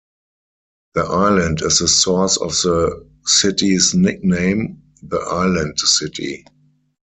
The island is the source of the city's nickname, The Island City.